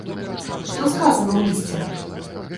Што сказана ў лісце?